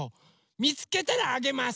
みつけたらあげます！